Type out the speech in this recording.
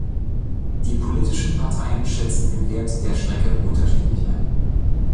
Die politischen Parteien schätzen den Wert der Strecke unterschiedlich ein.